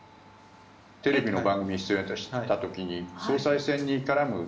テレビの番組に出演した時に総裁選に絡む。